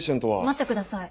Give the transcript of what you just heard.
待ってください。